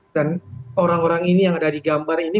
dan orang orang ini yang ada di gambar ini